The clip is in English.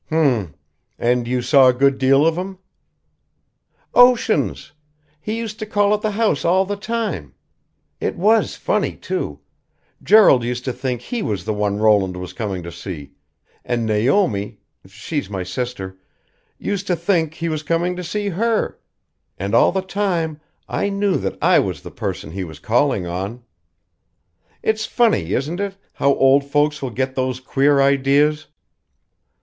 "H m! And you saw a good deal of him?" "Oceans! He used to call at the house all the time. It was funny, too. Gerald used to think he was the one Roland was coming to see, and Naomi she's my sister used to think that he was coming to see her; and all the time I knew that I was the person he was calling on. It's funny, isn't it, how old folks will get those queer ideas?"